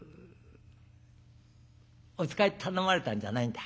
お使い頼まれたんじゃないんだ」。